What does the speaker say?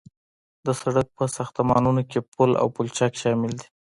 د سرک په ساختمانونو کې پل او پلچک شامل دي